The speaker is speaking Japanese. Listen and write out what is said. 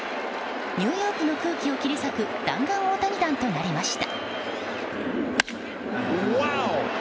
ニューヨークの空気を切り裂く弾丸大谷弾となりました。